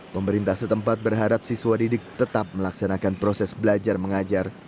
pemerintah setempat berharap siswa didik tetap melaksanakan proses belajar mengajar